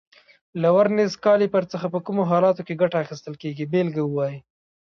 له ورنیز کالیپر څخه په کومو حالاتو کې ګټه اخیستل کېږي بېلګه ووایئ.